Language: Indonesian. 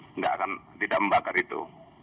tidak akan tidak membakar itu